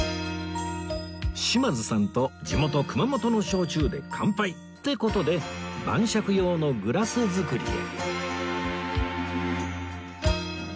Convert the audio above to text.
島津さんと地元熊本の焼酎で乾杯！って事で晩酌用のグラス作りへ